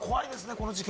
この事件。